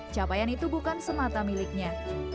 capaian itu bukan semata miliknya